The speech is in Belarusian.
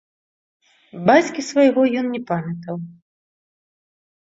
Бацькі свайго ён не памятаў.